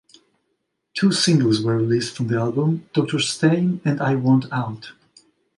Two singles were released from the album, "Doctor Stein" and "I Want Out".